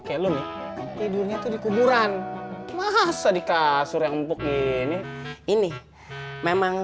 kayak lu nih tidurnya tuh dikuburan masa di kasur yang empuk gini ini memang